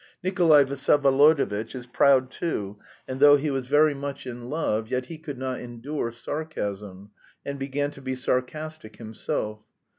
"Nikolay Vsyevolodovitch is proud, too, and though he was very much in love, yet he could not endure sarcasm, and began to be sarcastic himself.